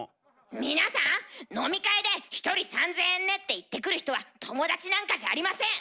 皆さん飲み会で「１人３，０００円ね」って言ってくる人は友達なんかじゃありません！